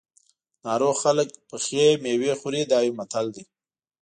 ناروغ خلک پخې مېوې خوري دا یو متل دی.